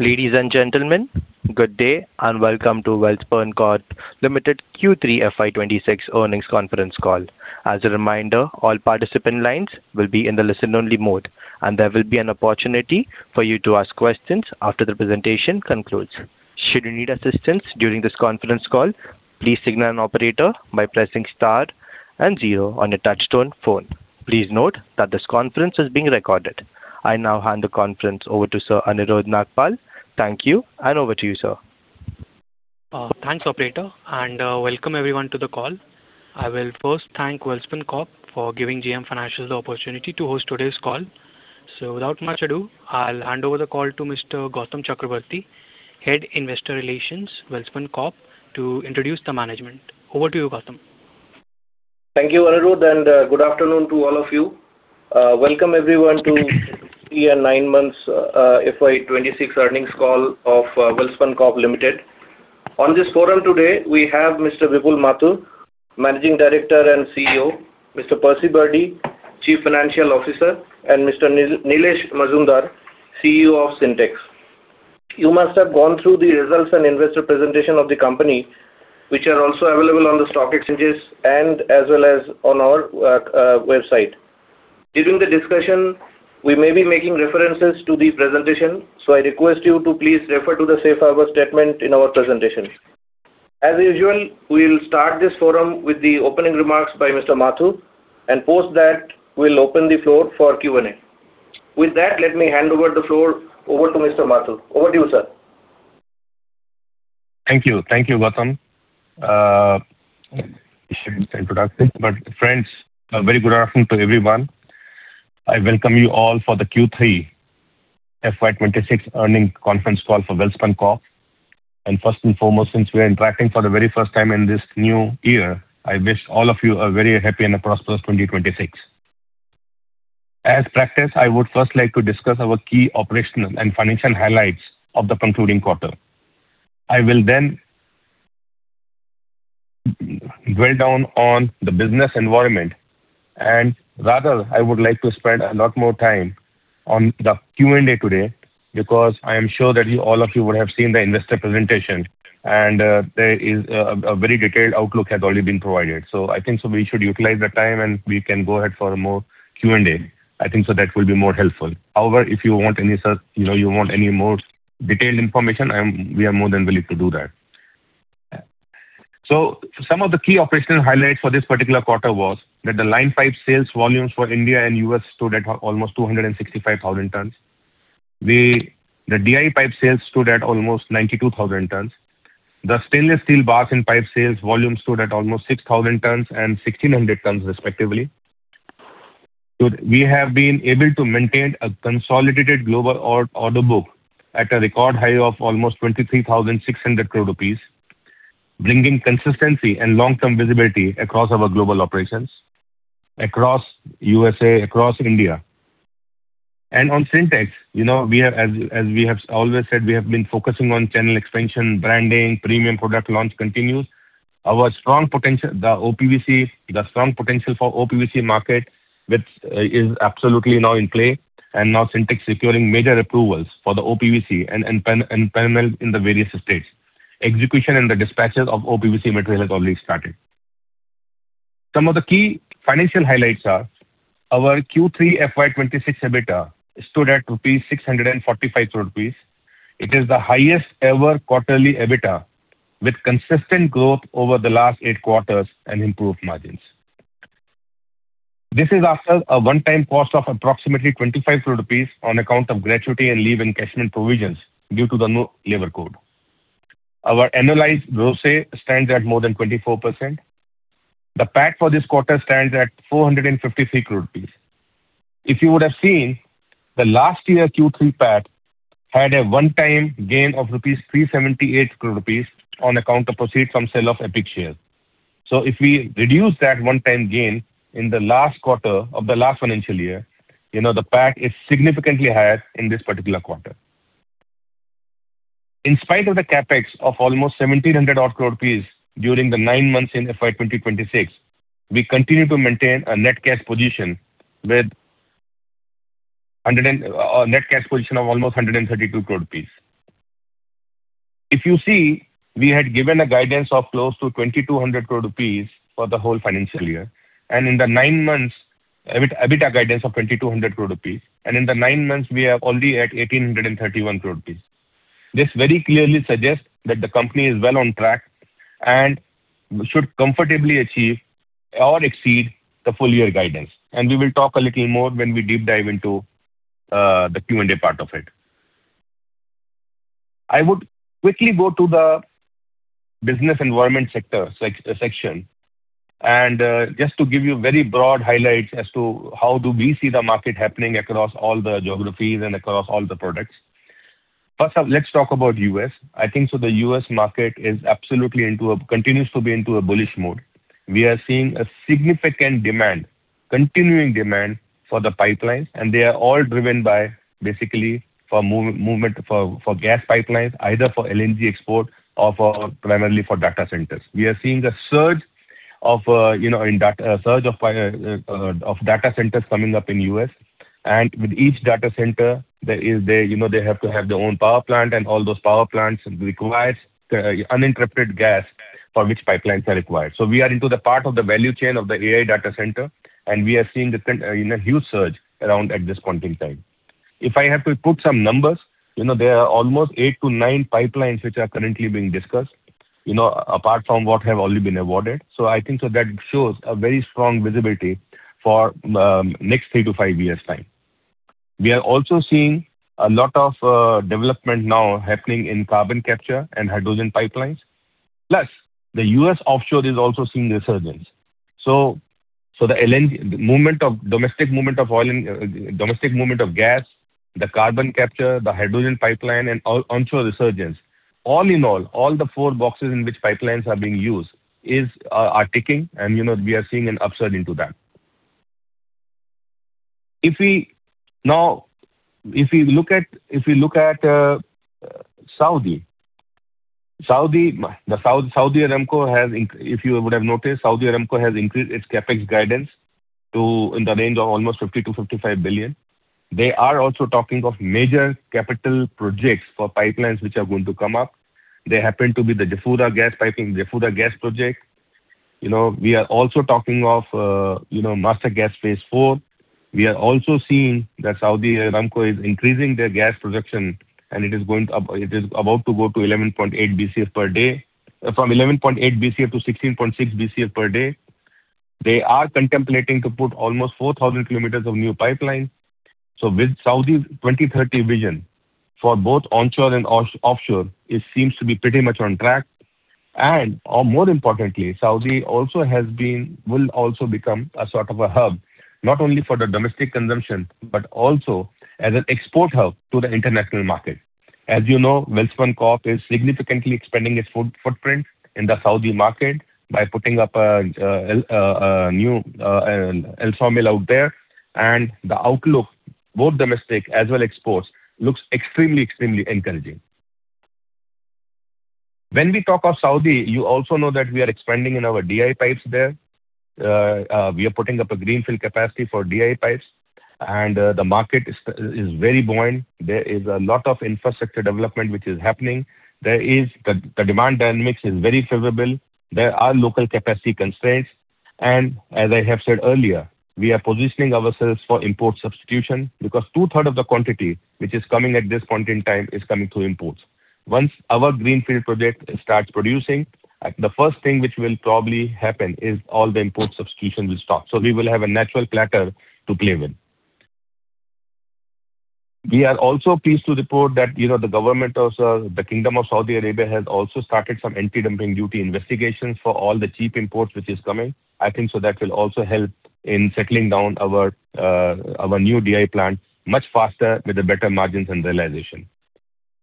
Ladies and gentlemen, good day and welcome to Welspun Corp Limited Q3 FY26 Earnings Conference Call. As a reminder, all participant lines will be in the listen-only mode, and there will be an opportunity for you to ask questions after the presentation concludes. Should you need assistance during this conference call, please signal an operator by pressing star and zero on your touch-tone phone. Please note that this conference is being recorded. I now hand the conference over to Sir Anirudh Nagpal. Thank you, and over to you, Sir. Thanks, operator, and welcome everyone to the call. I will first thank Welspun Corp for giving JM Financial the opportunity to host today's call. So without much ado, I'll hand over the call to Mr. Goutam Chakraborty, Head Investor Relations Welspun Corp, to introduce the management. Over to you, Goutam. Thank you, Anirudh, and good afternoon to all of you. Welcome everyone to the Q3 and nine months FY 2026 earnings call of Welspun Corp Limited. On this forum today, we have Mr. Vipul Mathur, Managing Director and CEO, Mr. Percy Birdy, Chief Financial Officer, and Mr. Nilesh Mazumder, CEO of Sintex. You must have gone through the results and investor presentation of the company, which are also available on the stock exchanges and as well as on our website. During the discussion, we may be making references to the presentation, so I request you to please refer to the safe harbor statement in our presentation. As usual, we'll start this forum with the opening remarks by Mr. Mathur, and post that we'll open the floor for Q&A. With that, let me hand over the floor over to Mr. Mathur. Over to you, Sir. Thank you. Thank you, Goutam. I shouldn't say productive, but friends, a very good afternoon to everyone. I welcome you all for the Q3 FY26 earnings conference call for Welspun Corp. First and foremost, since we are interacting for the very first time in this new year, I wish all of you a very happy and a prosperous 2026. As practice, I would first like to discuss our key operational and financial highlights of the concluding quarter. I will then dwell down on the business environment, and rather I would like to spend a lot more time on the Q&A today because I am sure that all of you would have seen the investor presentation, and a very detailed outlook has already been provided. So I think we should utilize the time, and we can go ahead for a more Q&A. I think that will be more helpful. However, if you want any more detailed information, we are more than willing to do that. So some of the key operational highlights for this particular quarter was that the line pipe sales volumes for India and U.S. stood at almost 265,000 tons. The DI pipe sales stood at almost 92,000 tons. The stainless steel bars and pipe sales volume stood at almost 6,000 tons and 1,600 tons, respectively. We have been able to maintain a consolidated global order book at a record high of almost 23,600 crore rupees, bringing consistency and long-term visibility across our global operations, across the U.S.A., across India. And on Sintex, as we have always said, we have been focusing on channel expansion, branding, premium product launch continues. The strong potential for OPVC market is absolutely now in play, and now Sintex is securing major approvals for the OPVC and panel in the various states. Execution and the dispatches of OPVC materials have already started. Some of the key financial highlights are our Q3 FY26 EBITDA stood at 645 crore rupees. It is the highest ever quarterly EBITDA with consistent growth over the last eight quarters and improved margins. This is after a one-time cost of approximately 25 crore rupees on account of gratuity and leave encashment provisions due to the new labor code. Our annualized gross stands at more than 24%. The PAT for this quarter stands at 453 crore rupees. If you would have seen, the last year Q3 PAT had a one-time gain of 378 crore rupees on account of proceeds from sale of EPIC shares. So if we reduce that one-time gain in the last quarter of the last financial year, the PAT is significantly higher in this particular quarter. In spite of the CapEx of almost 1,700 crore rupees during the nine months in FY2026, we continue to maintain a net cash position of almost 132 crore rupees. If you see, we had given a guidance of close to 2,200 crore rupees for the whole financial year, and in the nine months, EBITDA guidance of 2,200 crore rupees, and in the nine months, we are already at 1,831 crore rupees. This very clearly suggests that the company is well on track and should comfortably achieve or exceed the full-year guidance, and we will talk a little more when we deep dive into the Q&A part of it. I would quickly go to the business environment section, and just to give you very broad highlights as to how do we see the market happening across all the geographies and across all the products. First off, let's talk about the U.S. I think the U.S. market continues to be into a bullish mood. We are seeing a significant continuing demand for the pipelines, and they are all driven by basically for gas pipelines, either for LNG export or primarily for data centers. We are seeing a surge of data centers coming up in the U.S., and with each data center, they have to have their own power plant, and all those power plants require uninterrupted gas for which pipelines are required. So we are into the part of the value chain of the AI data center, and we are seeing a huge surge around at this point in time. If I have to put some numbers, there are almost 8-9 pipelines which are currently being discussed, apart from what have already been awarded. So I think that shows a very strong visibility for the next 3-5 years' time. We are also seeing a lot of development now happening in carbon capture and hydrogen pipelines. Plus, the US offshore is also seeing a resurgence. So the domestic movement of oil and domestic movement of gas, the carbon capture, the hydrogen pipeline, and onshore resurgence, all in all, all the four boxes in which pipelines are being used are ticking, and we are seeing an upsurge into that. If we look at Saudi, the Saudi Aramco has increased its capex guidance to the range of almost $50 billion-$55 billion. They are also talking of major capital projects for pipelines which are going to come up. They happen to be the Jafurah gas project. We are also talking of Master Gas Phase 4. We are also seeing that Saudi Aramco is increasing their gas production, and it is about to go to 11.8 BCF per day. From 11.8 BCF to 16.6 BCF per day, they are contemplating to put almost 4,000 kilometers of new pipelines. So with Saudi's 2030 vision for both onshore and offshore, it seems to be pretty much on track. And more importantly, Saudi also will also become a sort of a hub, not only for the domestic consumption, but also as an export hub to the international market. As you know, Welspun Corp is significantly expanding its footprint in the Saudi market by putting up a new LSAW mill out there, and the outlook, both domestic as well as exports, looks extremely, extremely encouraging. When we talk of Saudi, you also know that we are expanding in our DI pipes there. We are putting up a greenfield capacity for DI Pipes, and the market is very buoyant. There is a lot of infrastructure development which is happening. The demand dynamics are very favorable. There are local capacity constraints. As I have said earlier, we are positioning ourselves for import substitution because two-thirds of the quantity which is coming at this point in time is coming through imports. Once our greenfield project starts producing, the first thing which will probably happen is all the import substitution will stop. We will have a natural platter to play with. We are also pleased to report that the government of the Kingdom of Saudi Arabia has also started some anti-dumping duty investigations for all the cheap imports which are coming. I think that will also help in settling down our new DI Pipes plant much faster with better margins and realization.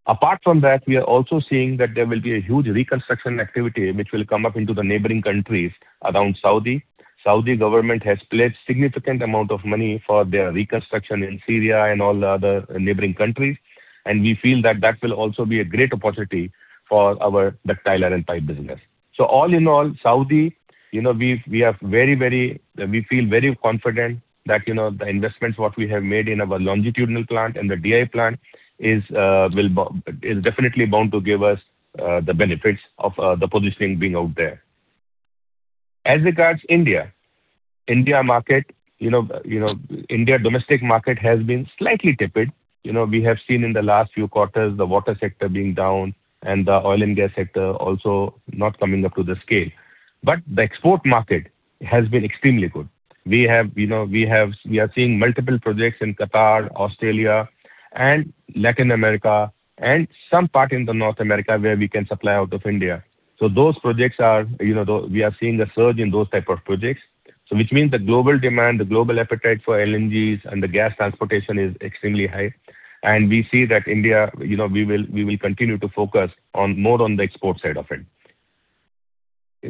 Apart from that, we are also seeing that there will be a huge reconstruction activity which will come up into the neighboring countries around Saudi. The Saudi government has pledged a significant amount of money for their reconstruction in Syria and all the other neighboring countries, and we feel that that will also be a great opportunity for our ductile iron pipe business. So all in all, Saudi, we feel very confident that the investments what we have made in our longitudinal plant and the DI plant is definitely bound to give us the benefits of the positioning being out there. As regards India, the India domestic market has been slightly tepid. We have seen in the last few quarters the water sector being down and the oil and gas sector also not coming up to the scale. But the export market has been extremely good. We are seeing multiple projects in Qatar, Australia, and Latin America, and some part in North America where we can supply out of India. So those projects, we are seeing a surge in those types of projects, which means the global demand, the global appetite for LNGs and the gas transportation is extremely high. And we see that India, we will continue to focus more on the export side of it.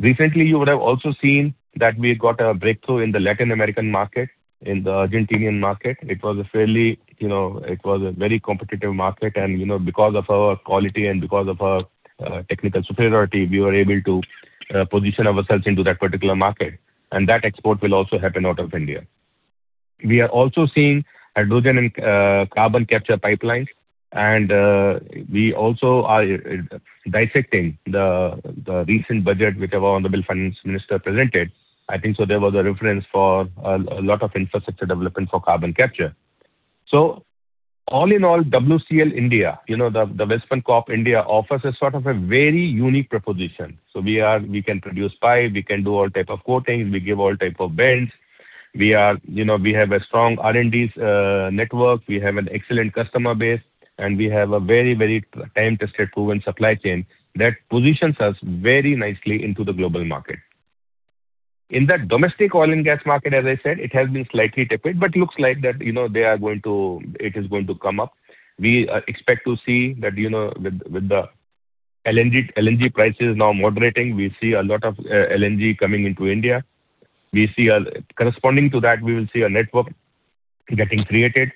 Recently, you would have also seen that we got a breakthrough in the Latin American market, in the Argentine market. It was a very competitive market. And because of our quality and because of our technical superiority, we were able to position ourselves into that particular market. And that export will also happen out of India. We are also seeing hydrogen and carbon capture pipelines, and we also are dissecting the recent budget which our Honorable Finance Minister presented. I think there was a reference for a lot of infrastructure development for carbon capture. So all in all, WCL India, the Welspun Corp, India offers a sort of a very unique proposition. So we can produce pipe, we can do all types of coatings, we give all types of bends. We have a strong R&D network, we have an excellent customer base, and we have a very, very time-tested, proven supply chain that positions us very nicely into the global market. In that domestic oil and gas market, as I said, it has been slightly tepid, but looks like that they are going to - it is going to come up. We expect to see that with the LNG prices now moderating, we see a lot of LNG coming into India. Corresponding to that, we will see a network getting created.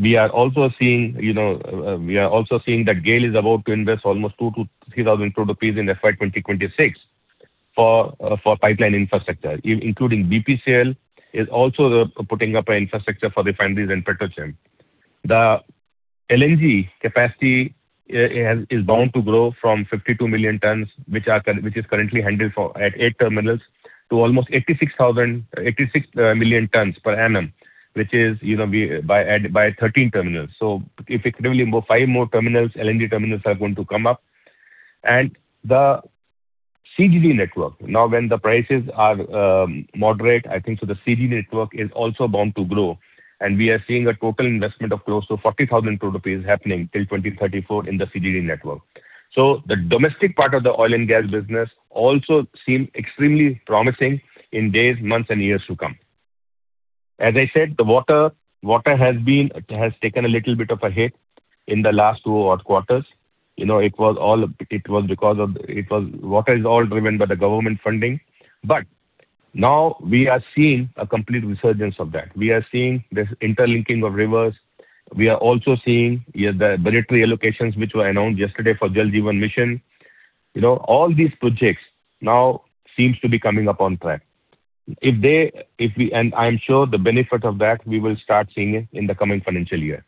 We are also seeing—we are also seeing that GAIL is about to invest almost 2,000 crore-3,000 crore rupees in FY2026 for pipeline infrastructure, including BPCL, is also putting up an infrastructure for refineries and petrochem. The LNG capacity is bound to grow from 52 million tons, which is currently handled at eight terminals, to almost 86 million tons per annum, which is by 13 terminals. So effectively, five more terminals, LNG terminals, are going to come up. The CGD network, now when the prices are moderate, I think the CGD network is also bound to grow. We are seeing a total investment of close to 40,000 crore rupees happening till 2034 in the CGD network. So the domestic part of the oil and gas business also seems extremely promising in days, months, and years to come. As I said, the water has taken a little bit of a hit in the last two quarters. It was all because water is all driven by the government funding. But now we are seeing a complete resurgence of that. We are seeing this interlinking of rivers. We are also seeing the budgetary allocations which were announced yesterday for Jal Jeevan Mission. All these projects now seem to be coming up on track. And I am sure the benefit of that, we will start seeing it in the coming financial year.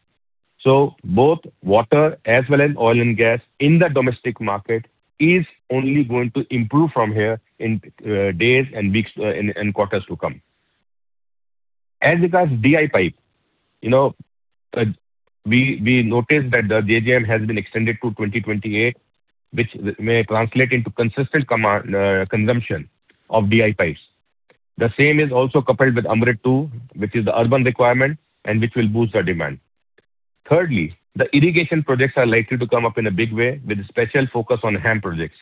So both water as well as oil and gas in the domestic market is only going to improve from here in days and weeks and quarters to come. As regards to DI pipe, we noticed that the JJM has been extended to 2028, which may translate into consistent consumption of DI pipes. The same is also coupled with AMRUT II, which is the urban requirement and which will boost the demand. Thirdly, the irrigation projects are likely to come up in a big way with a special focus on HAM projects.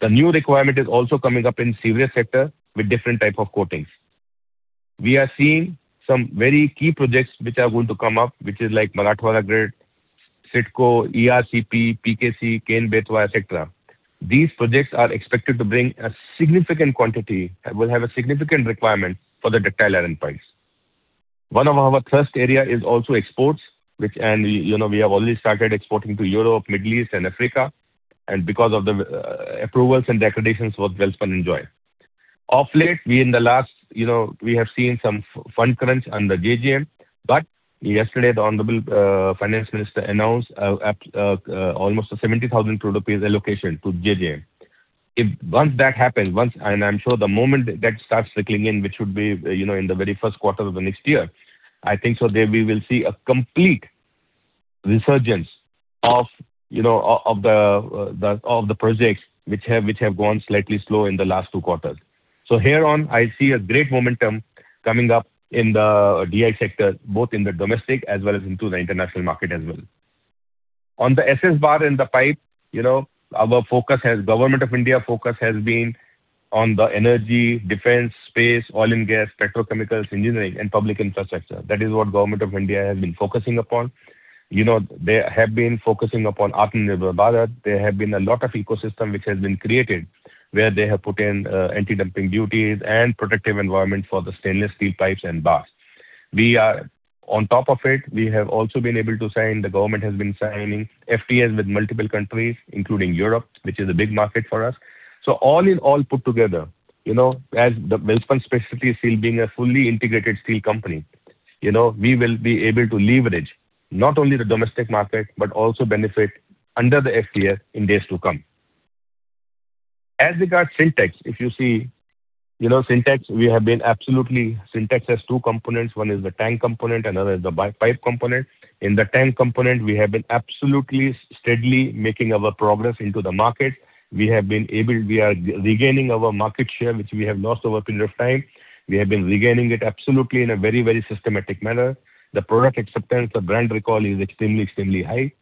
The new requirement is also coming up in the sewerage sector with different types of coatings. We are seeing some very key projects which are going to come up, which is like Marathwada Grid, CIDCO, ERCP, PKC, Ken-Betwa, etc. These projects are expected to bring a significant quantity and will have significant requirements for the ductile iron pipes. One of our thrust areas is also exports, and we have already started exporting to Europe, Middle East, and Africa, and because of the approvals and negotiations with Welspun India. Of late, in the last, we have seen some fund crunch under JJM, but yesterday, the Honorable Finance Minister announced almost 70,000 rupees allocation to JJM. Once that happens, and I'm sure the moment that starts trickling in, which would be in the very first quarter of the next year, I think we will see a complete resurgence of the projects which have gone slightly slow in the last two quarters. So here on, I see a great momentum coming up in the DI sector, both in the domestic as well as into the international market as well. On the SS bars and pipes, our focus has. Government of India's focus has been on the energy, defense, space, oil and gas, petrochemicals, engineering, and public infrastructure. That is what the Government of India has been focusing upon. They have been focusing upon Atmanirbhar Bharat. There have been a lot of ecosystems which have been created where they have put in anti-dumping duties and protective environments for the stainless steel pipes and bars. On top of it, we have also been able to sign. The government has been signing FTAs with multiple countries, including Europe, which is a big market for us. So all in all, put together, as WSSL specifically is still being a fully integrated steel company, we will be able to leverage not only the domestic market but also benefit under the FTA in days to come. As regards to Sintex, if you see Sintex, we have been absolutely. Sintex has two components. One is the tank component and another is the pipe component. In the tank component, we have been absolutely steadily making our progress into the markets. We are regaining our market share, which we have lost over a period of time. We have been regaining it absolutely in a very, very systematic manner. The product acceptance, the brand recall is extremely, extremely high.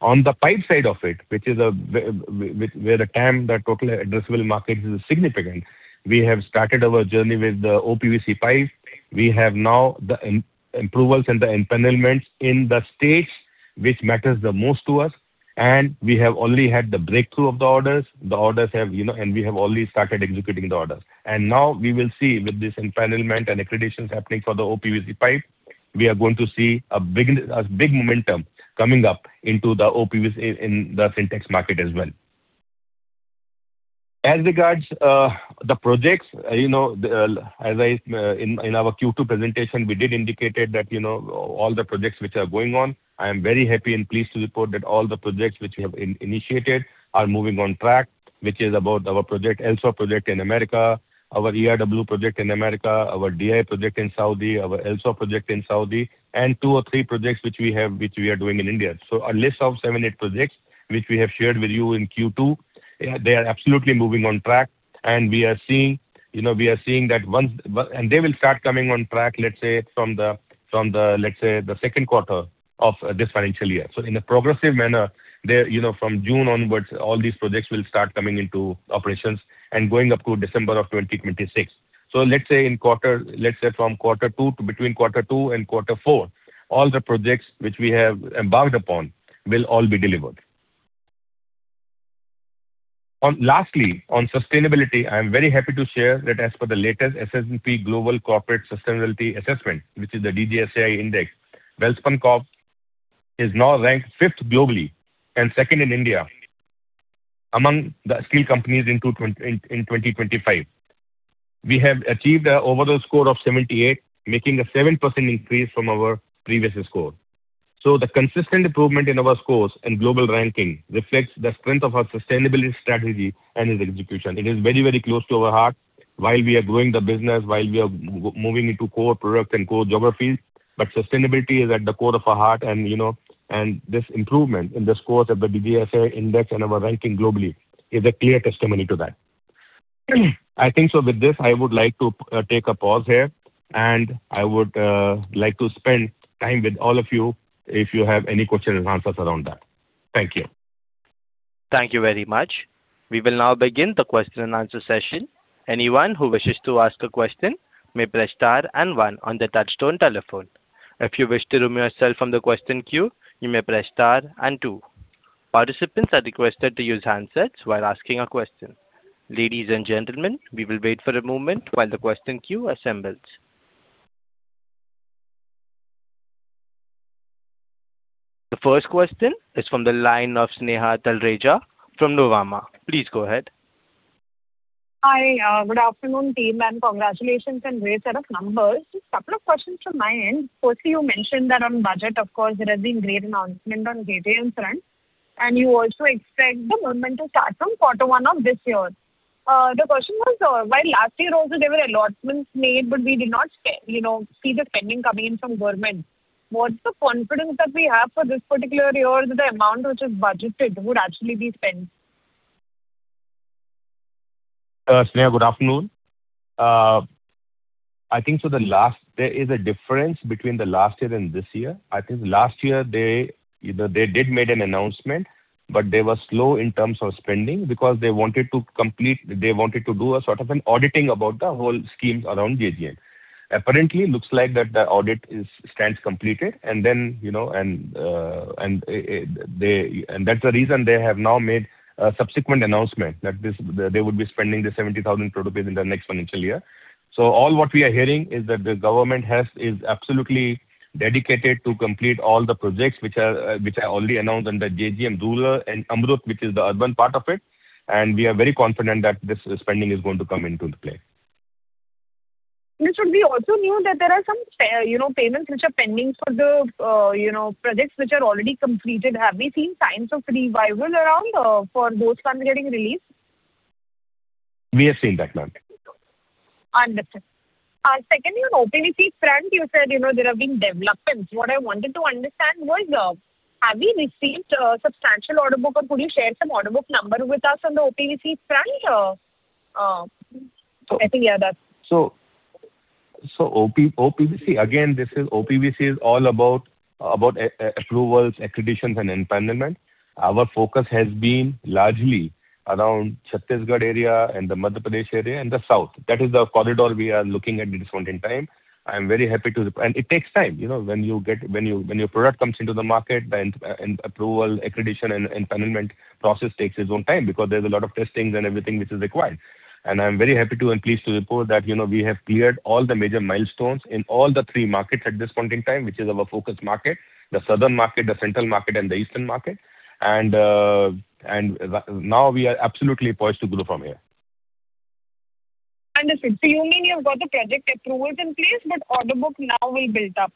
On the pipe side of it, which is where the TAM, the Total Addressable Market, is significant, we have started our journey with the OPVC pipe. We have now the approvals and the empanelments in the states which matter the most to us. And we have only had the breakthrough of the orders. The orders have, and we have already started executing the orders. And now we will see with this empanelment and accreditations happening for the OPVC pipe, we are going to see a big momentum coming up into the Sintex market as well. As regards to the projects, as I said in our Q2 presentation, we did indicate that all the projects which are going on, I am very happy and pleased to report that all the projects which we have initiated are moving on track, which is about our project, LSAW project in America, our ERW project in America, our DI project in Saudi, our LSAW project in Saudi, and two or three projects which we are doing in India. So a list of seven or eight projects which we have shared with you in Q2, they are absolutely moving on track. We are seeing that once—and they will start coming on track, let's say, from the—let's say, the second quarter of this financial year. In a progressive manner, from June onwards, all these projects will start coming into operations and going up to December of 2026. In quarter, let's say from quarter two to between quarter two and quarter four, all the projects which we have embarked upon will all be delivered. Lastly, on sustainability, I am very happy to share that as per the latest S&P Global Corporate Sustainability Assessment, which is the DJSI Index, Welspun Corp is now ranked fifth globally and second in India among the steel companies in 2025. We have achieved an overall score of 78, making a 7% increase from our previous score. So the consistent improvement in our scores and global ranking reflects the strength of our sustainability strategy and its execution. It is very, very close to our heart while we are growing the business, while we are moving into core products and core geographies. But sustainability is at the core of our heart. And this improvement in the scores of the DJSI Index and our ranking globally is a clear testimony to that. I think with this, I would like to take a pause here. And I would like to spend time with all of you if you have any questions and answers around that. Thank you. Thank you very much. We will now begin the question and answer session. Anyone who wishes to ask a question may press star and one on the touch-tone telephone. If you wish to remove yourself from the question queue, you may press star and two. Participants are requested to use handsets while asking a question. Ladies and gentlemen, we will wait for a moment while the question queue assembles. The first question is from the line of Sneha Talreja from Nuvama. Please go ahead. Hi. Good afternoon, team. Congratulations and great set of numbers. Just a couple of questions from my end. Firstly, you mentioned that on budget, of course, there has been great announcement on JJM front. You also expect the movement to start from quarter one of this year. The question was, while last year also there were allotments made, but we did not see the spending coming in from government, what's the confidence that we have for this particular year that the amount which is budgeted would actually be spent? Sneha, good afternoon. I think there is a difference between the last year and this year. I think last year they did make an announcement, but they were slow in terms of spending because they wanted to do a sort of auditing about the whole schemes around JJM. Apparently, it looks like that the audit stands completed. And that's the reason they have now made a subsequent announcement that they would be spending the 70,000 in the next financial year. So all what we are hearing is that the government is absolutely dedicated to complete all the projects which are already announced under JJM, Rural and AMRUT, which is the urban part of it. And we are very confident that this spending is going to come into play. Mr. G, we also knew that there are some payments which are pending for the projects which are already completed. Have we seen signs of revival around for those funds getting released? We have seen that, ma'am. Understood. Secondly, on OPVC front, you said there have been developments. What I wanted to understand was, have we received a substantial order book? Or could you share some order book number with us on the OPVC front? I think, yeah, that's. So, OPVC, again, this is OPVC is all about approvals, accreditations, and empanelment. Our focus has been largely around the Chhattisgarh area and the Madhya Pradesh area and the south. That is the corridor we are looking at at this point in time. I am very happy to, and it takes time. When your product comes into the market, the approval, accreditation, and empanelment process takes its own time because there's a lot of testings and everything which is required. And I am very happy and pleased to report that we have cleared all the major milestones in all the three markets at this point in time, which is our focus market: the southern market, the central market, and the eastern market. Now we are absolutely poised to grow from here. Understood. So you mean you've got the project approvals in place, but order book now will build up?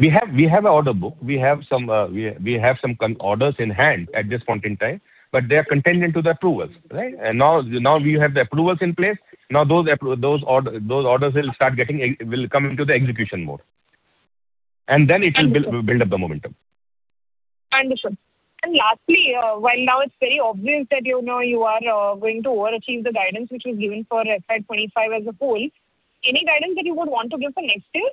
We have an order book. We have some orders in hand at this point in time, but they are contingent to the approvals, right? Now we have the approvals in place. Now those orders will come into the execution mode. And then it will build up the momentum. Understood. And lastly, while now it's very obvious that you are going to overachieve the guidance which was given for FY25 as a whole, any guidance that you would want to give for next year?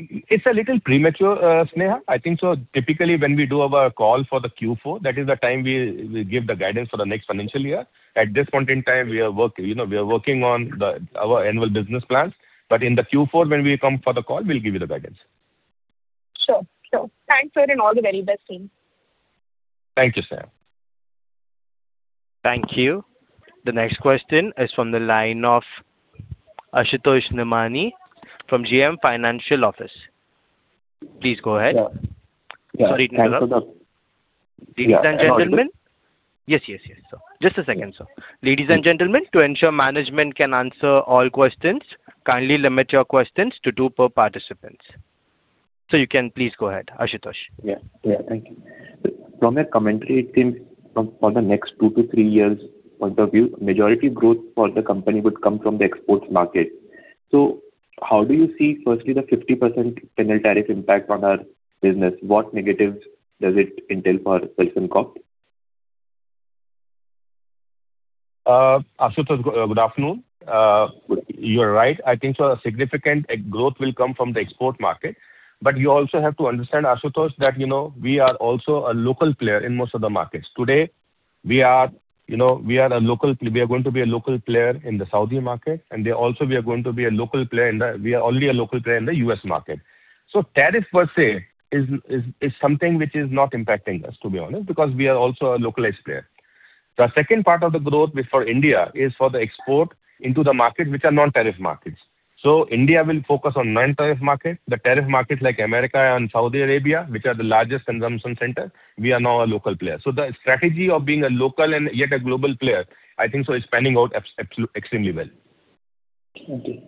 It's a little premature, Sneha. I think so. Typically, when we do our call for the Q4, that is the time we give the guidance for the next financial year. At this point in time, we are working on our annual business plans. But in the Q4, when we come for the call, we'll give you the guidance. Sure. Sure. Thanks, sir, and all the very best, team. Thank you, Sneha. Thank you. The next question is from the line of Ashutosh Somani from JM Financial. Please go ahead. Yeah. Yeah. Sorry, Nirmala. Thank you, sir. Ladies and gentlemen. Yeah, sorry. Yes, yes, yes. Just a second, sir. Ladies and gentlemen, to ensure management can answer all questions, kindly limit your questions to two per participant. So you can please go ahead, Ashutosh. Yeah. Yeah. Thank you. From a commentary team for the next 2-3 years' point of view, majority growth for the company would come from the exports market. So how do you see, firstly, the 50% penalty tariff impact on our business? What negatives does it entail for Welspun Corp? Ashutosh, good afternoon. You're right. I think a significant growth will come from the export market. But you also have to understand, Ashutosh, that we are also a local player in most of the markets. Today, we are a local—we are going to be a local player in the Saudi market. And also, we are going to be a local player in the—we are already a local player in the US market. So tariff, per se, is something which is not impacting us, to be honest, because we are also a localized player. The second part of the growth for India is for the export into the markets which are non-tariff markets. So India will focus on non-tariff markets. The tariff markets like America and Saudi Arabia, which are the largest consumption centers, we are now a local player. So the strategy of being a local and yet a global player, I think so, is panning out extremely well. Thank you.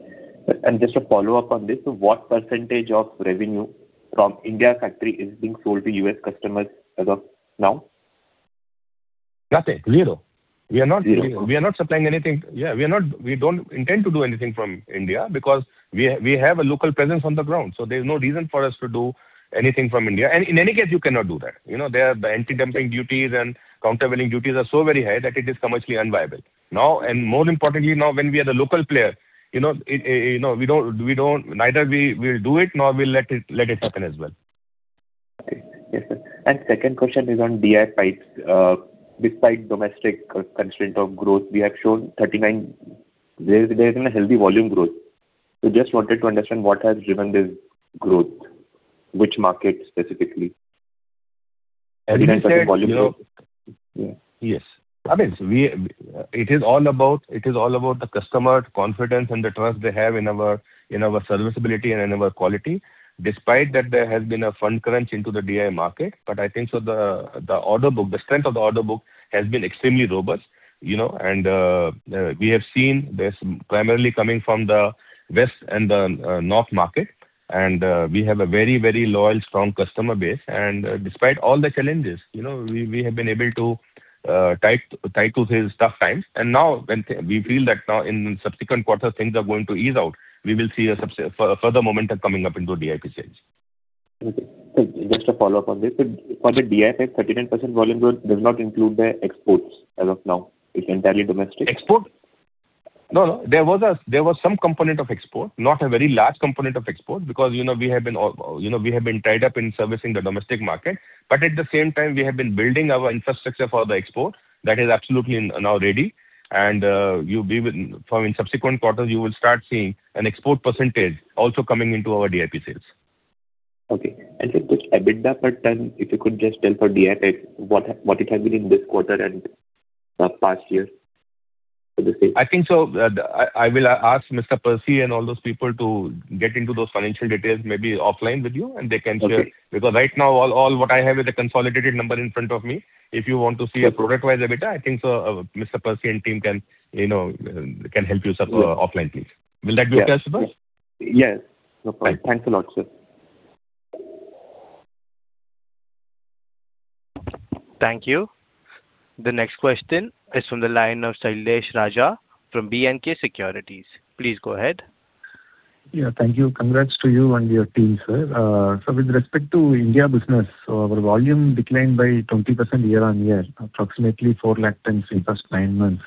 And just to follow up on this, so what percentage of revenue from India factory is being sold to U.S. customers as of now? Nothing. zero. We are not supplying anything. Yeah, we don't intend to do anything from India because we have a local presence on the ground. So there's no reason for us to do anything from India. And in any case, you cannot do that. The anti-dumping duties and countervailing duties are so very high that it is commercially unviable now. And more importantly, now when we are the local player, we don't, neither will we do it nor will we let it happen as well. Okay. Yes, sir. And second question is on DI Pipes. Despite domestic constraint of growth, we have shown 39%, there is healthy volume growth. So just wanted to understand what has driven this growth, which market specifically? 39% volume growth? Yeah. Yes. I mean, it is all about, it is all about the customer confidence and the trust they have in our serviceability and in our quality, despite that there has been a fund crunch into the DI market. But I think the order book, the strength of the order book, has been extremely robust. And we have seen this primarily coming from the west and the north market. We have a very, very loyal, strong customer base. And despite all the challenges, we have been able to tide through the tough times. And now when we feel that now in the subsequent quarter, things are going to ease out, we will see a further momentum coming up into DI Pipes. Okay. Thank you. Just to follow up on this, for the DI pipe, 39% volume growth does not include the exports as of now. It's entirely domestic? Export? No, no. There was some component of export, not a very large component of export because we have been tied up in servicing the domestic market. But at the same time, we have been building our infrastructure for the export that is absolutely now ready. And from subsequent quarters, you will start seeing an export percentage also coming into our DI Pipes sales. Okay. And just to EBITDA per ton, if you could just tell for DI pipes what it has been in this quarter and past year for the sales? I think so. I will ask Mr. Percy and all those people to get into those financial details maybe offline with you, and they can share because right now, all what I have is a consolidated number in front of me. If you want to see a product-wise EBITDA, I think Mr. Percy and team can help you offline, please. Will that be okay, Ashutosh? Yes. No problem. Thanks a lot, sir. Thank you. The next question is from the line of Sailesh Raja from B&K Securities. Please go ahead. Yeah. Thank you. Congrats to you and your team, sir. So with respect to India business, our volume declined by 20% year-on-year, approximately 410,000 in the first nine months.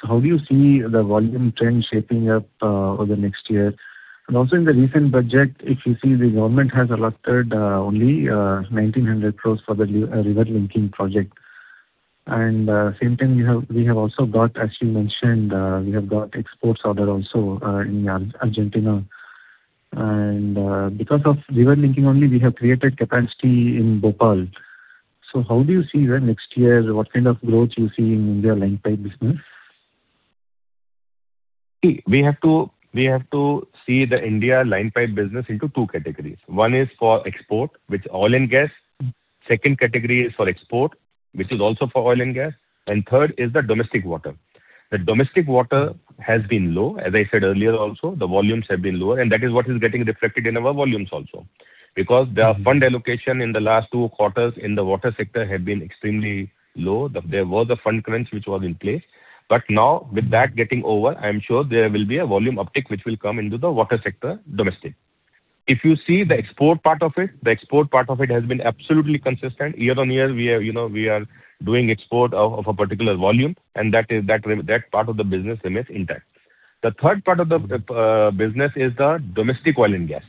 So how do you see the volume trend shaping up over the next year? And also in the recent budget, if you see, the government has allotted only 1,900 crore for the river linking project. And same time, we have also got, as you mentioned, we have got exports order also in Argentina. And because of river linking only, we have created capacity in Bhopal. So how do you see that next year? What kind of growth do you see in India line pipe business? We have to see the India line pipe business into two categories. One is for export, which is oil and gas. Second category is for export, which is also for oil and gas. Third is the domestic water. The domestic water has been low. As I said earlier also, the volumes have been lower. That is what is getting reflected in our volumes also because the fund allocation in the last two quarters in the water sector has been extremely low. There was a fund crunch which was in place. But now with that getting over, I am sure there will be a volume uptick which will come into the water sector domestic. If you see the export part of it, the export part of it has been absolutely consistent. Year-on-year, we are doing export of a particular volume. That part of the business remains intact. The third part of the business is the domestic oil and gas,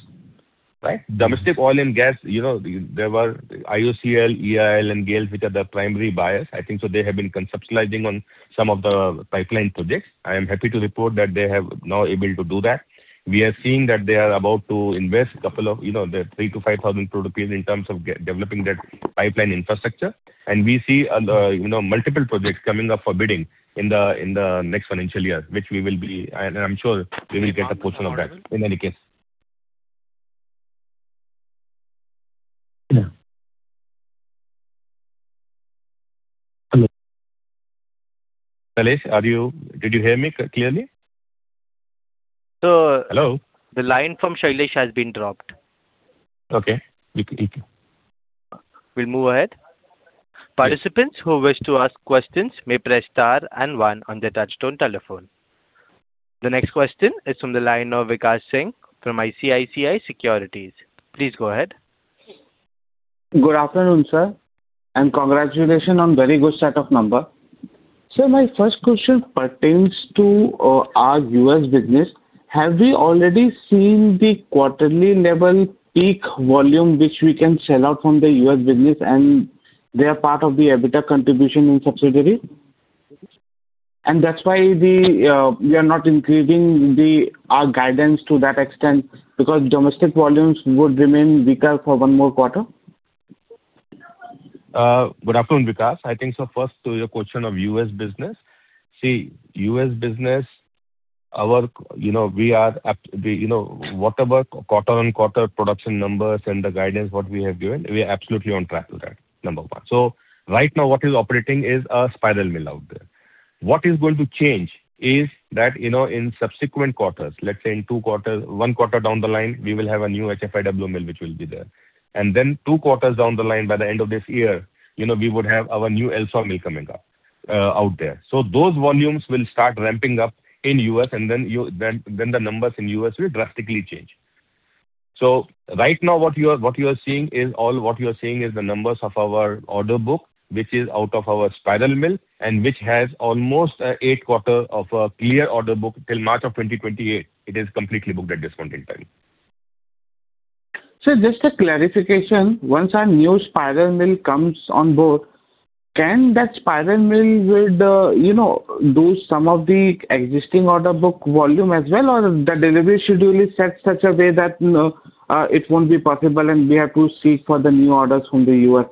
right? Domestic oil and gas, there were IOCL, EIL, and GAIL which are the primary buyers. I think so. They have been conceptualizing on some of the pipeline projects. I am happy to report that they have now been able to do that. We are seeing that they are about to invest a couple of the 3,000-5,000 crore rupees in terms of developing that pipeline infrastructure. We see multiple projects coming up for bidding in the next financial year, which we will be, and I'm sure we will get a portion of that in any case. Yeah. Hello. Shilesh, did you hear me clearly? Hello? The line from Shilesh has been dropped. Okay. We'll move ahead. Participants who wish to ask questions may press star and one on their touchtone telephone. The next question is from the line of Vikas Singh from ICICI Securities. Please go ahead. Good afternoon, sir. Congratulations on a very good set of numbers. Sir, my first question pertains to our U.S. business. Have we already seen the quarterly-level peak volume which we can sell out from the U.S. business and their part of the EBITDA contribution in subsidiary? And that's why we are not increasing our guidance to that extent because domestic volumes would remain weaker for one more quarter. Good afternoon, Vikas. I think so. First, to your question of U.S. business, see, U.S. business, we are whatever quarter-on-quarter production numbers and the guidance what we have given, we are absolutely on track with that, number one. So right now, what is operating is a spiral mill out there. What is going to change is that in subsequent quarters, let's say in one quarter down the line, we will have a new HFIW mill which will be there. And then two quarters down the line, by the end of this year, we would have our new LSAW mill coming out there. So those volumes will start ramping up in U.S. And then the numbers in U.S. will drastically change. Right now, what you are seeing is all what you are seeing is the numbers of our order book which is out of our spiral mill and which has almost eight quarters of a clear order book till March of 2028. It is completely booked at this point in time. Sir, just a clarification. Once our new spiral mill comes on board, can that spiral mill do some of the existing order book volume as well? Or the delivery schedule is set such a way that it won't be possible and we have to seek for the new orders from the US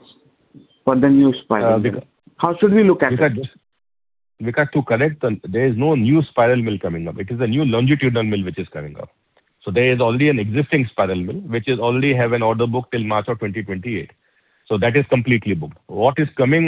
for the new spiral mill? How should we look at it? Vikas, to correct, there is no new spiral mill coming up. It is a new longitudinal mill which is coming up. So there is already an existing spiral mill which already has an order book till March of 2028. So that is completely booked. What is coming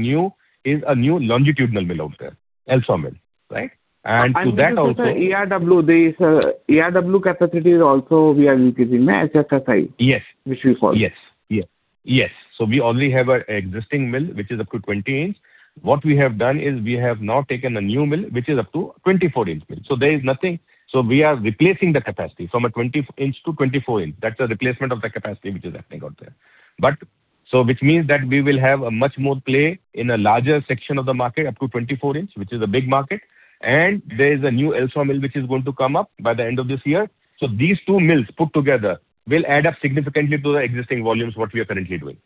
new is a new longitudinal mill out there, LSAW mill, right? And to that also. Also the HFIW, the HFIW capacity is also we are increasing the HFIW, which we follow. Yes. Yes. Yes. So we already have an existing mill which is up to 20 inches. What we have done is we have now taken a new mill which is up to 24 inches mill. So there is nothing. So we are replacing the capacity from 20 inches to 24 inches. That's a replacement of the capacity which is happening out there. So which means that we will have much more play in a larger section of the market up to 24 inches, which is a big market. And there is a new LSAW mill which is going to come up by the end of this year. So these two mills put together will add up significantly to the existing volumes, what we are currently doing.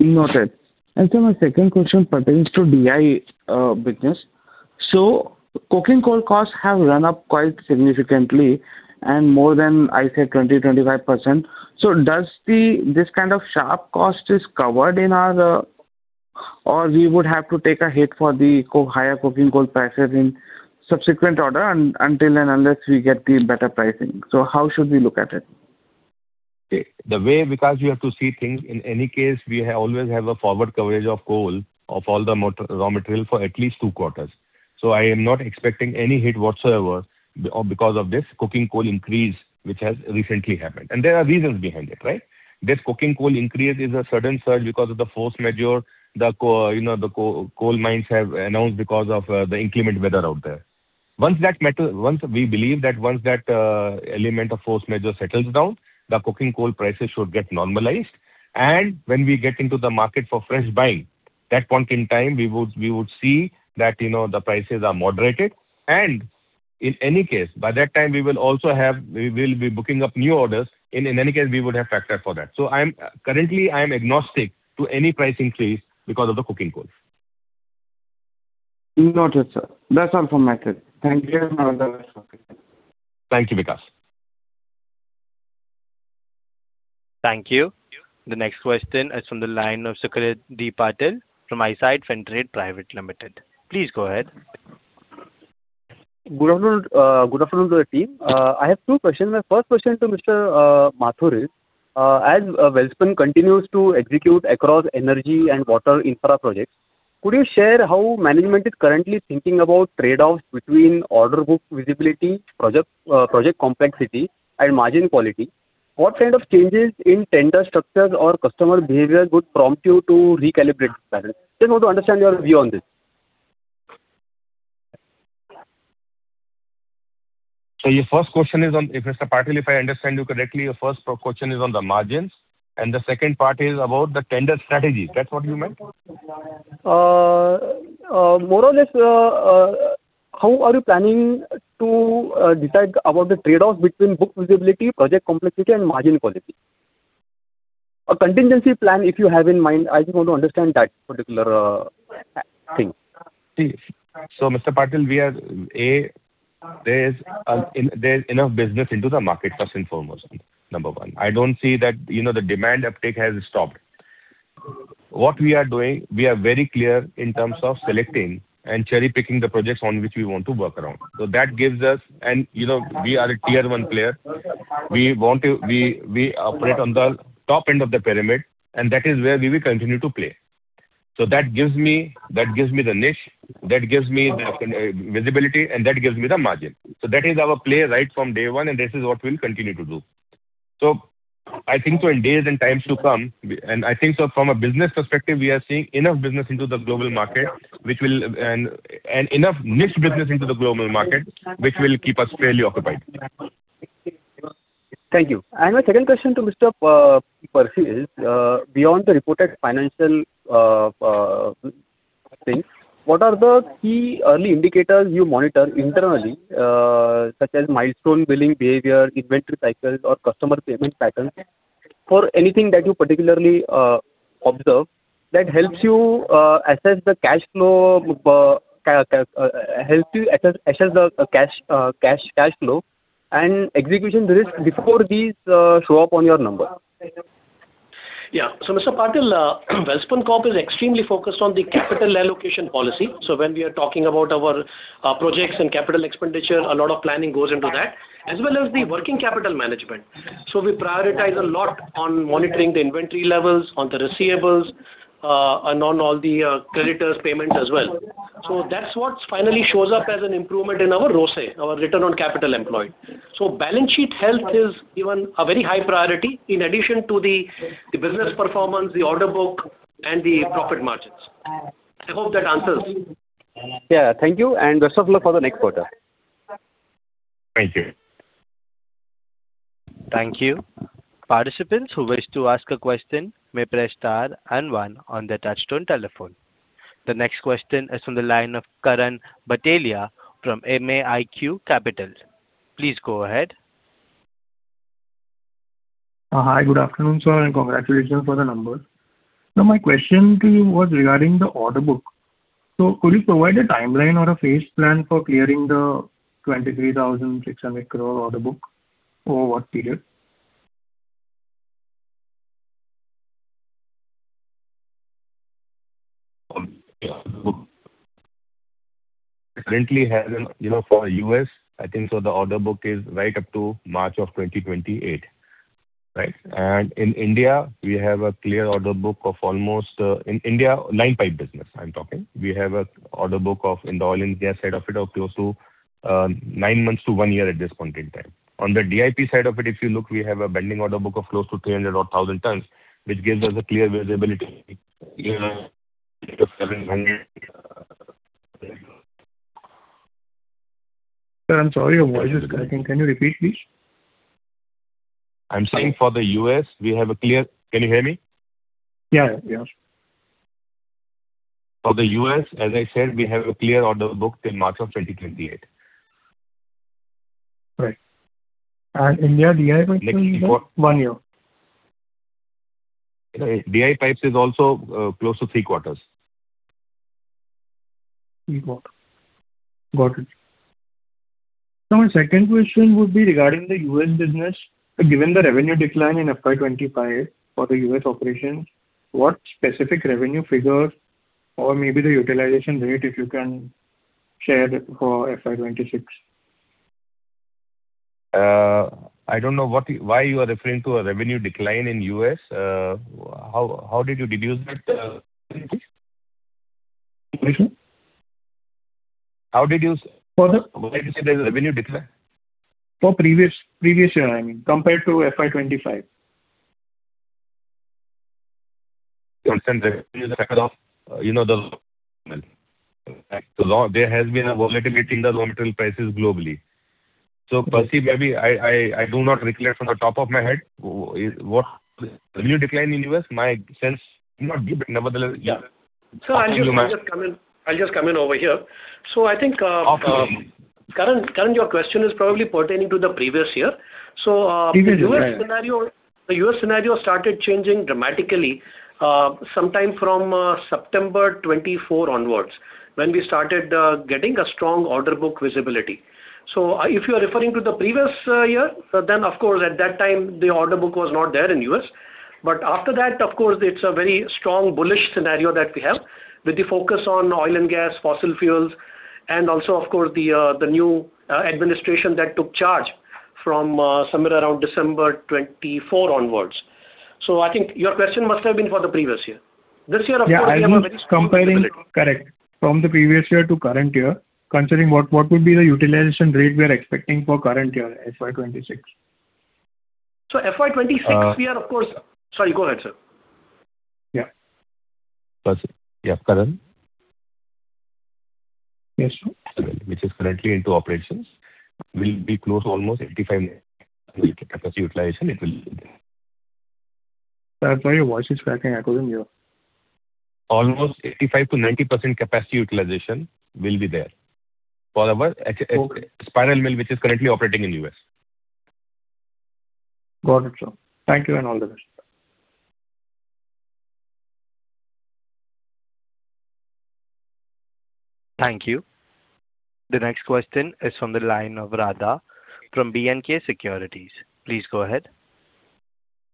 Noted. And sir, my second question pertains to DI business. So coking coal costs have run up quite significantly and more than, I said, 20%-25%. So does this kind of sharp cost is covered in our or we would have to take a hit for the higher coking coal prices in subsequent order until and unless we get the better pricing? So how should we look at it? Okay. The way, Vikas, we have to see things, in any case, we always have a forward coverage of coal, of all the raw material for at least two quarters. So I am not expecting any hit whatsoever because of this coking coal increase which has recently happened. And there are reasons behind it, right? This coking coal increase is a sudden surge because of the force majeure the coal mines have announced because of the inclement weather out there. Once we believe that once that element of force majeure settles down, the coking coal prices should get normalized. And when we get into the market for fresh buying, that point in time, we would see that the prices are moderated. And in any case, by that time, we will also have we will be booking up new orders. In any case, we would have factored for that. Currently, I am agnostic to any price increase because of the coking coal. Noted, sir. That's all from my side. Thank you. Thank you, Vikas. Thank you. The next question is from the line of Sucrit Patil from ICICI Securities Private Limited. Please go ahead. Good afternoon to the team. I have two questions. My first question to Mr. Mathur is, as Welspun continues to execute across energy and water infra projects, could you share how management is currently thinking about trade-offs between order book visibility, project complexity, and margin quality? What kind of changes in tender structures or customer behaviors would prompt you to recalibrate this pattern? Just want to understand your view on this. So, your first question is on if Mr. Patil, if I understand you correctly, your first question is on the margins. The second part is about the tender strategies. That's what you meant? More or less, how are you planning to decide about the trade-offs between book visibility, project complexity, and margin quality? A contingency plan if you have in mind. I just want to understand that particular thing. Okay. So, Mr. Patil, we are A, there is enough business into the market, first and foremost, number one. I don't see that the demand uptick has stopped. What we are doing, we are very clear in terms of selecting and cherry-picking the projects on which we want to work around. So that gives us and we are a tier-one player. We operate on the top end of the pyramid. And that is where we will continue to play. So that gives me the niche. That gives me the visibility. And that gives me the margin. So that is our play right from day one. And this is what we will continue to do. So I think so, in days and times to come. I think so, from a business perspective, we are seeing enough business into the global market and enough niche business into the global market which will keep us fairly occupied. Thank you. My second question to Mr. Percy is, beyond the reported financial things, what are the key early indicators you monitor internally, such as milestone billing behavior, inventory cycles, or customer payment patterns for anything that you particularly observe that helps you assess the cash flow and execution risk before these show up on your numbers? Yeah. So Mr. Patil, Welspun Corp is extremely focused on the capital allocation policy. So when we are talking about our projects and capital expenditure, a lot of planning goes into that, as well as the working capital management. So we prioritize a lot on monitoring the inventory levels, on the receivables, and on all the creditors' payments as well. So that's what finally shows up as an improvement in our ROCE, our return on capital employed. So balance sheet health is even a very high priority in addition to the business performance, the order book, and the profit margins. I hope that answers. Yeah. Thank you. Best of luck for the next quarter. Thank you. Thank you. Participants who wish to ask a question may press star and one on their touch-tone telephone. The next question is from the line of Karan Bhatelia from MAIQ Capital. Please go ahead. Hi. Good afternoon, sir. Congratulations for the numbers. Now, my question to you was regarding the order book. So could you provide a timeline or a phased plan for clearing the 23,600 crore order book over what period? Yeah. Currently, for U.S., I think so, the order book is right up to March of 2028, right? And in India, we have a clear order book of almost in India, line pipe business, I'm talking, we have an order book of in the oil and gas side of it of close to 9 months to 1 year at this point in time. On the DIP side of it, if you look, we have a bending order book of close to 300 or 1,000 tons, which gives us a clear visibility of 700. Sir, I'm sorry. Your voice is cutting. Can you repeat, please? I'm saying for the US, we have a clear. Can you hear me? For the U.S., as I said, we have a clear order book till March of 2028. Right. And India, DI Pipes is also one year. DI Pipes is also close to three-quarters. Three quarters. Got it. Sir, my second question would be regarding the U.S. business. Given the revenue decline in FY25 for the U.S. operations, what specific revenue figure or maybe the utilization rate, if you can share, for FY26? I don't know why you are referring to a revenue decline in U.S. How did you deduce that, please? Question? How did you? For the. Why did you say there's a revenue decline? For previous year, I mean, compared to FY25. You understand revenue. Record of the mill. There has been a volatility in the raw material prices globally. So, Percy, maybe I do not declare from the top of my head what revenue decline in U.S., my sense. Not give, but nevertheless. Yeah. So I'll just come in. I'll just come in over here. So I think. Of course. Karan, your question is probably pertaining to the previous year. So the U.S. scenario started changing dramatically sometime from September 2024 onwards when we started getting a strong order book visibility. So if you are referring to the previous year, then, of course, at that time, the order book was not there in the U.S. But after that, of course, it's a very strong bullish scenario that we have with the focus on oil and gas, fossil fuels, and also, of course, the new administration that took charge from somewhere around December 2024 onwards. So I think your question must have been for the previous year. This year, of course, we have a very strong visibility. Yeah. I mean, comparing correctly, from the previous year to current year, considering what would be the utilization rate we are expecting for current year, FY26? So FY26, we are, of course. Sorry, go ahead, sir. Yeah. Yeah. Karan? Yes. Which is currently into operations, will be close almost 85% capacity utilization. It will. Sir, I'm sorry. Your voice is cracking. I couldn't hear. Almost 85%-90% capacity utilization will be there for our spiral mill which is currently operating in U.S. Got it, sir. Thank you and all the best. Thank you. The next question is from the line of Radha from B&K Securities. Please go ahead.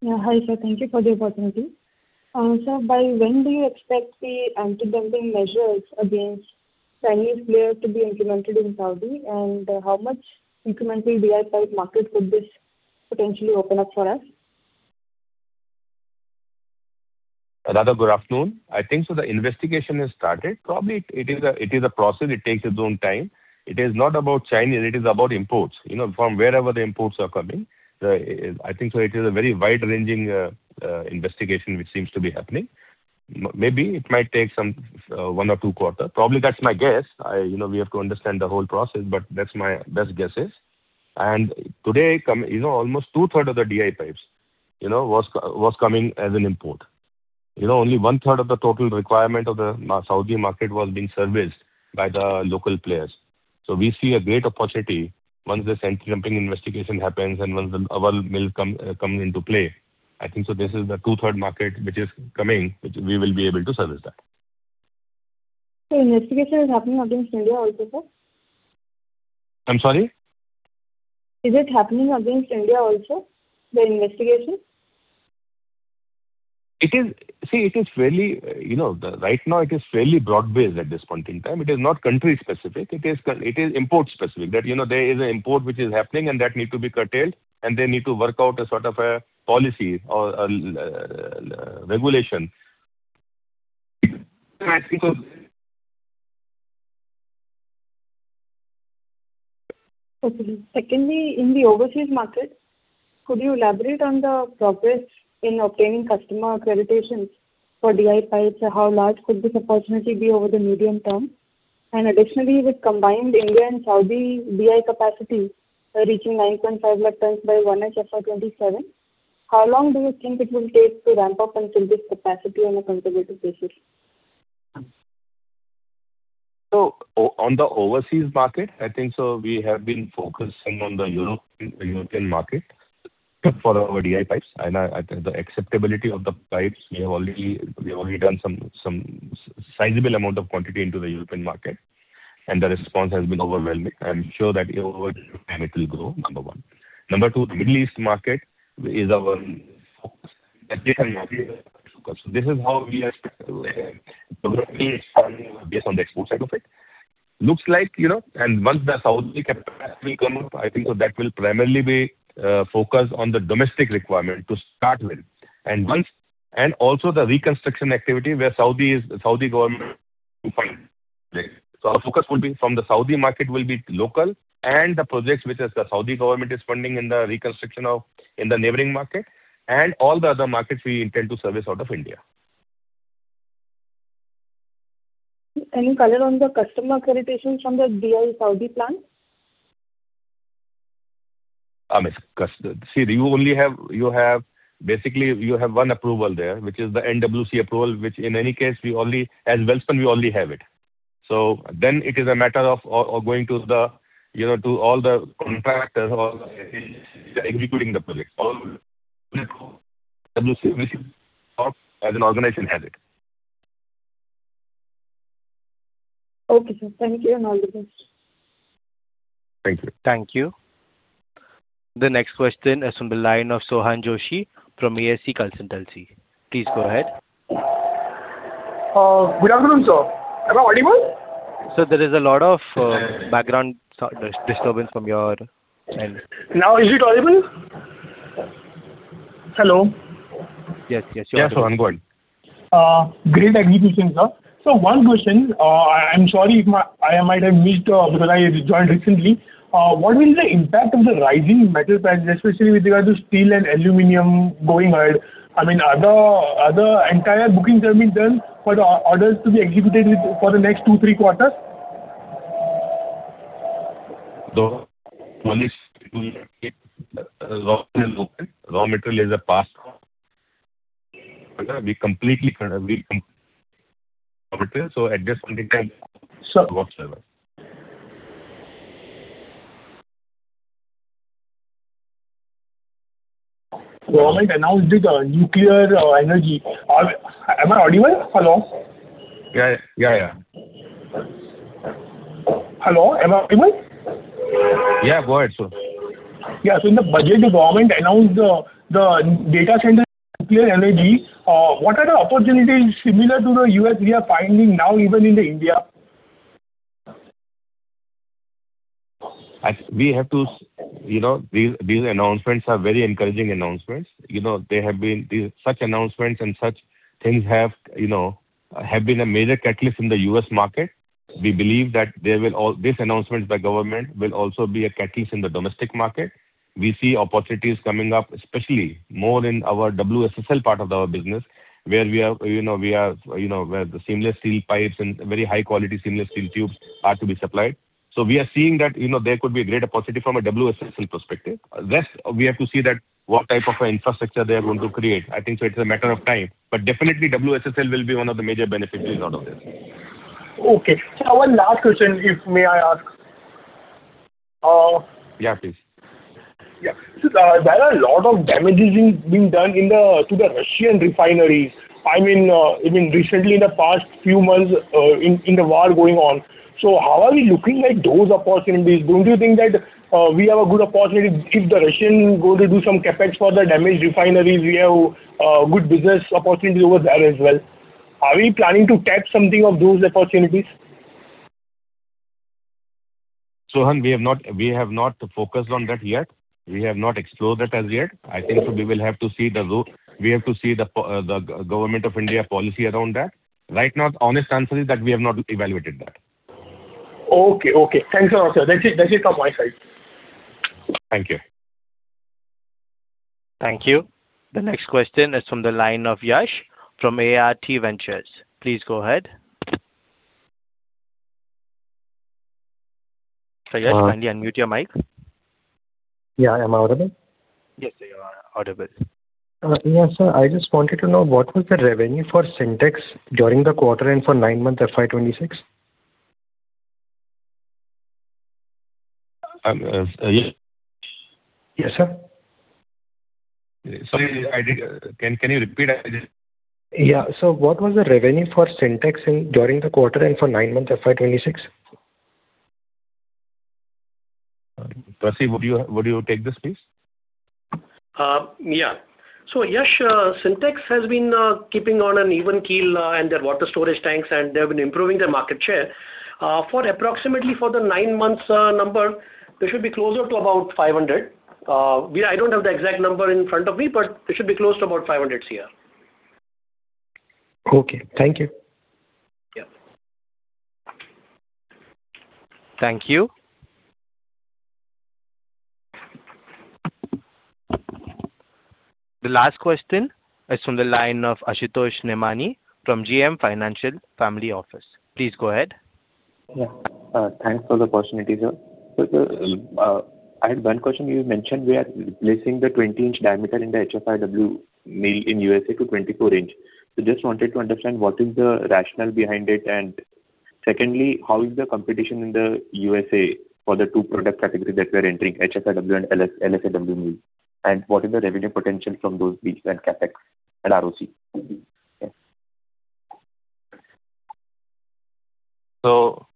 Hi, sir. Thank you for the opportunity. Sir, by when do you expect the anti-dumping measures against Chinese players to be implemented in Saudi? And how much incremental DI pipe market could this potentially open up for us? Radha, good afternoon. I think so. The investigation has started. Probably, it is a process. It takes its own time. It is not about China. It is about imports from wherever the imports are coming. I think so. It is a very wide-ranging investigation which seems to be happening. Maybe it might take one or two quarters. Probably, that's my guess. We have to understand the whole process. That's my best guesses. Today, almost two-thirds of the DI pipes was coming as an import. Only one-third of the total requirement of the Saudi market was being serviced by the local players. We see a great opportunity once this anti-dumping investigation happens and once our mill comes into play. I think so. This is the two-thirds market which is coming, which we will be able to service that. Investigation is happening against India also, sir? I'm sorry? Is it happening against India also, the investigation? See, right now, it is fairly broad-based at this point in time. It is not country-specific. It is import-specific that there is an import which is happening and that need to be curtailed. And they need to work out a sort of a policy or regulation. Secondly, in the overseas market, could you elaborate on the progress in obtaining customer accreditations for DI pipes? How large could this opportunity be over the medium term? And additionally, with combined India and Saudi DI capacity reaching 950,000 tons by 1H FY27, how long do you think it will take to ramp up until this capacity on a conservative basis? So on the overseas market, I think so. We have been focusing on the European market for our DI pipes. And the acceptability of the pipes, we have already done some sizable amount of quantity into the European market. And the response has been overwhelming. I'm sure that over it will grow, number one. Number two, the Middle East market is our focus. So this is how we are developing funding based on the export side of it. Looks like, and once the Saudi capacity will come up, I think so, that will primarily be focused on the domestic requirement to start with. And also, the reconstruction activity where Saudi government will fund. Our focus will be from the Saudi market, will be local and the projects which the Saudi government is funding in the reconstruction of in the neighboring market and all the other markets we intend to service out of India. Any color on the customer accreditations from the DI Saudi plans? See, you only have basically, you have one approval there, which is the NWC approval, which in any case, as Welspun, we only have it. So then it is a matter of going to all the contractors who are executing the projects. All the Welspun Corp, as an organization, has it. Okay, sir. Thank you and all the best. Thank you. Thank you. The next question is from the line of Sohan Joshi from ASC Consultancy. Please go ahead. Good afternoon, sir. Am I audible? Sir, there is a lot of background disturbance from your end. Now, is it audible? Hello? Yes. Yes. You're audible. Yes, Sohan. Good. Great execution, sir. So one question. I'm sorry if I might have missed because I joined recently. What will be the impact of the rising metal prices, especially with regard to steel and aluminum going ahead? I mean, are the entire booking terms done for the orders to be executed for the next two, three quarters? The policy will be raw material booked. Raw material is a past. We completely cover material. So at this point in time. Sir. Whatsoever. Government announced nuclear energy. Am I audible? Hello? Hello? Am I audible? Yeah. Go ahead, sir. Yeah. So in the budget, the government announced the data center nuclear energy. What are the opportunities similar to the U.S. we are finding now, even in India? We have to these announcements are very encouraging announcements. There have been such announcements and such things have been a major catalyst in the US market. We believe that these announcements by government will also be a catalyst in the domestic market. We see opportunities coming up, especially more in our WSSL part of our business where we are the seamless steel pipes and very high-quality seamless steel tubes are to be supplied. So we are seeing that there could be a great opportunity from a WSSL perspective. Rest, we have to see what type of infrastructure they are going to create. I think so. It's a matter of time. But definitely, WSSL will be one of the major beneficiaries out of this. Okay. Sir, one last question, if may I ask? Yeah, please. Yeah. Sir, there are a lot of damages being done to the Russian refineries, I mean, even recently, in the past few months in the war going on. So how are we looking at those opportunities? Don't you think that we have a good opportunity if the Russians go to do some CapEx for the damaged refineries? We have good business opportunities over there as well. Are we planning to tap something of those opportunities? Sohan, we have not focused on that yet. We have not explored that as yet. I think so. We will have to see the Government of India policy around that. Right now, the honest answer is that we have not evaluated that. Okay. Okay. Thanks a lot, sir. That's it from my side. Thank you. Thank you. The next question is from the line of Yash from ART Ventures. Please go ahead. Sir, Yash, kindly unmute your mic. Yeah. Am I audible? Yes, sir. You are audible. Yeah, sir. I just wanted to know, what was the revenue for Sintex during the quarter end for 9 months FY26? Yes, sir. Sorry, can you repeat? Yeah. So what was the revenue for Sintex during the quarter end for 9 months FY26? Percy, would you take this, please? Yeah. So, Yash, Sintex has been keeping on an even keel and their water storage tanks, and they have been improving their market share. Approximately, for the nine months number, they should be closer to about 500 crore. I don't have the exact number in front of me, but they should be close to about 500 crore. Okay. Thank you. Thank you. The last question is from the line of Ashutosh Somani from JM Financial Family Office. Please go ahead. Yeah. Thanks for the opportunity, sir. So I had one question. You mentioned we are replacing the 20-inch diameter in the HFIW mill in USA to 24-inch. So just wanted to understand what is the rationale behind it? And secondly, how is the competition in the USA for the two product categories that we are entering, HFIW and LSAW mill? And what is the revenue potential from those beats and CapEx and ROC? Yeah. So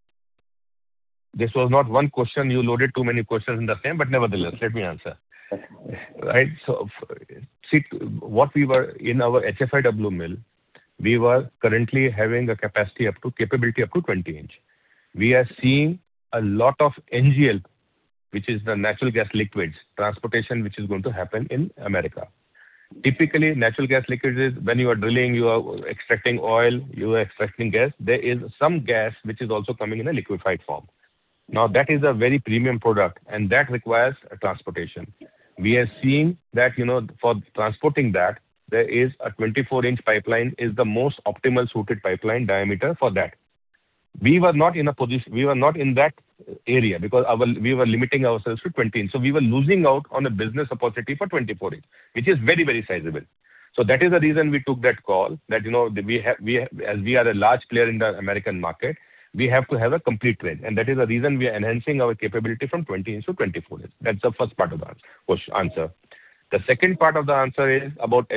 this was not one question. You loaded too many questions in the same. But nevertheless, let me answer. Right? So see, what we were in our HFIW mill, we were currently having a capacity up to capability up to 20-inch. We are seeing a lot of NGL, which is the natural gas liquids, transportation which is going to happen in America. Typically, natural gas liquids, when you are drilling, you are extracting oil, you are extracting gas, there is some gas which is also coming in a liquefied form. Now, that is a very premium product, and that requires transportation. We are seeing that for transporting that, there is a 24-inch pipeline is the most optimal suited pipeline diameter for that. We were not in a position we were not in that area because we were limiting ourselves to 20-inch. So we were losing out on a business opportunity for 24-inch, which is very, very sizable. So that is the reason we took that call that as we are a large player in the American market, we have to have a complete range. And that is the reason we are enhancing our capability from 20-inch to 24-inch. That's the first part of the answer. The second part of the answer is about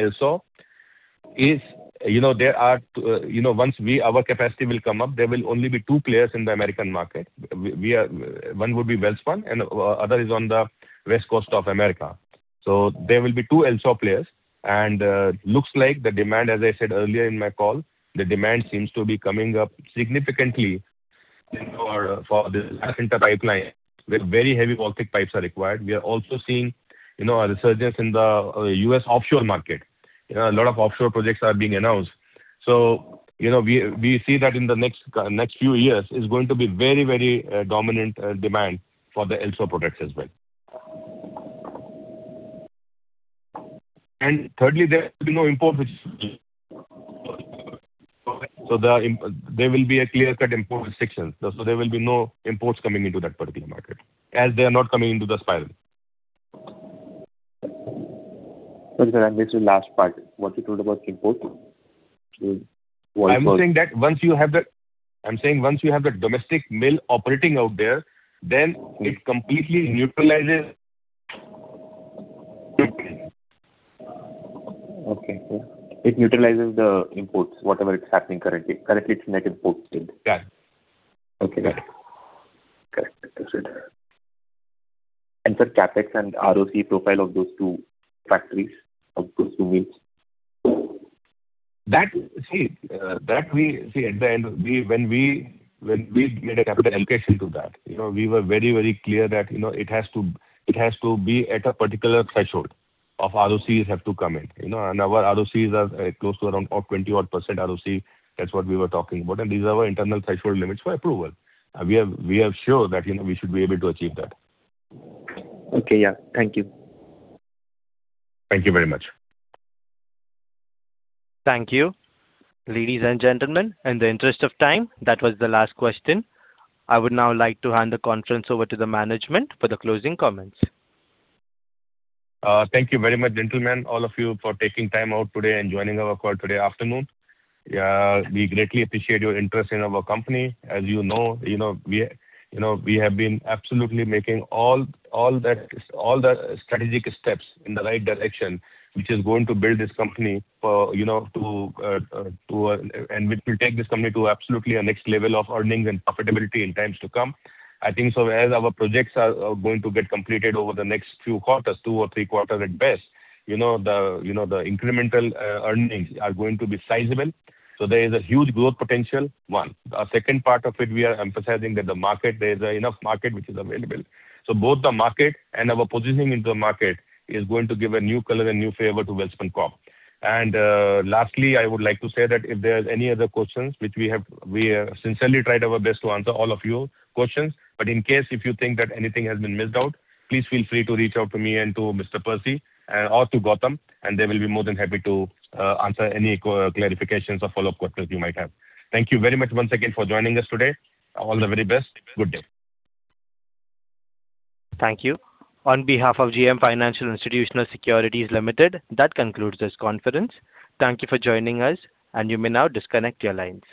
LSAW. Once our capacity will come up, there will only be two players in the American market. One would be Welspun, and the other is on the west coast of America. So there will be two LSAW players. And looks like the demand, as I said earlier in my call, the demand seems to be coming up significantly for the carbon pipeline where very heavy wall thick pipes are required. We are also seeing a resurgence in the US offshore market. A lot of offshore projects are being announced. So we see that in the next few years, it's going to be very, very dominant demand for the LSAW products as well. And thirdly, there will be no import restrictions. So there will be a clear-cut import restriction. So there will be no imports coming into that particular market as they are not coming into the spiral. Okay, sir. And this is the last part. What you told about import was. I'm saying that once you have the domestic mill operating out there, then it completely neutralizes. Okay. It neutralizes the imports, whatever is happening currently. Currently, it's net imports still. Got it. Okay. Got it. Correct. That's it. Sir, CapEx and ROCE profile of those two factories, of those two mills? See, see, at the end, when we made a capital allocation to that, we were very, very clear that it has to be at a particular threshold of ROCEs have to come in. And our ROCEs are close to around 20-odd% ROCE. That's what we were talking about. And these are our internal threshold limits for approval. We are sure that we should be able to achieve that. Okay. Yeah. Thank you. Thank you very much. Thank you, ladies and gentlemen. In the interest of time, that was the last question. I would now like to hand the conference over to the management for the closing comments. Thank you very much, gentlemen, all of you, for taking time out today and joining our call today afternoon. We greatly appreciate your interest in our company. As you know, we have been absolutely making all the strategic steps in the right direction, which is going to build this company and which will take this company to absolutely a next level of earnings and profitability in times to come. I think so. As our projects are going to get completed over the next few quarters, two or three quarters at best, the incremental earnings are going to be sizable. So there is a huge growth potential, one. The second part of it, we are emphasizing that there is enough market which is available. So both the market and our positioning into the market is going to give a new color and new flavor to Welspun Corp. Lastly, I would like to say that if there are any other questions, which we have sincerely tried our best to answer all of your questions. But in case, if you think that anything has been missed out, please feel free to reach out to me and to Mr. Percy or to Goutam. They will be more than happy to answer any clarifications or follow-up questions you might have. Thank you very much once again for joining us today. All the very best. Good day. Thank you. On behalf of JM Financial Institutional Securities Limited, that concludes this conference. Thank you for joining us. You may now disconnect your lines.